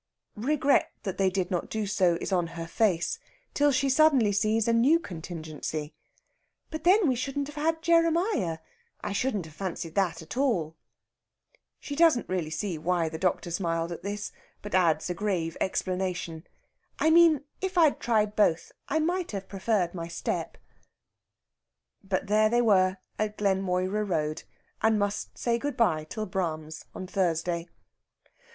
Regret that they did not do so is on her face, till she suddenly sees a new contingency. "But then we shouldn't have had Jeremiah. I shouldn't have fancied that at all." She doesn't really see why the doctor smiled at this, but adds a grave explanation: "I mean, if I'd tried both, I might have preferred my step." But there they were at Glenmoira Road, and must say good bye till Brahms on Thursday.